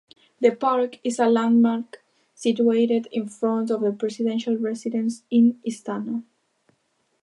The park is a landmark situated in front of the Presidential Residence, the Istana.